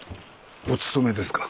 お勤めですか？